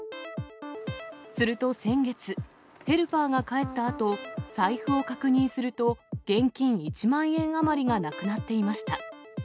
すると先月、ヘルパーが帰ったあと、財布を確認すると、現金１万円余りがなくなっていました。